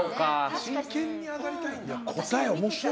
真剣に上がりたいんだ。